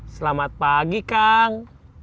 selamat pagi kang